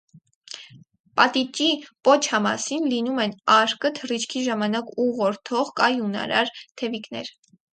Պատիճի պոչամասին լինում են արկը թռիչքի ժամանակ ուղղորդող կայունարար թևիկներ։